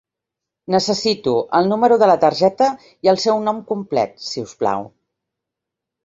Necessito el número de la targeta i el seu nom complet, si us plau.